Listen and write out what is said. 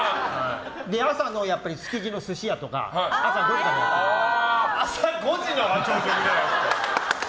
朝の築地の寿司屋とか朝５時からやってる。